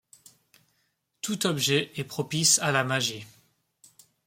Tout objet est propice à la magie.